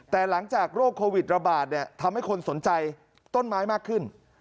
แต่หลังจากโรคโควิดระบาดเนี่ยทำให้คนสนใจต้นไม้มากขึ้น